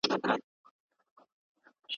ایا ستوري مړه کیږي؟